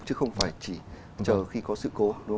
chứ không phải chỉ chờ khi có sự cố